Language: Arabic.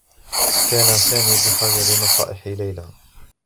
كان سامي بحاجة لنصائح ليلى.